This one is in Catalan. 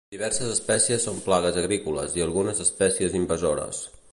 Diverses espècies són plagues agrícoles i algunes espècies invasores.